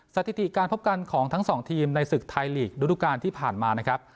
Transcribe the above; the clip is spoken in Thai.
สถิติการพบกันของทั้งสองทีมในศึกไทยลีกระดูกาลที่ผ่านมานะครับ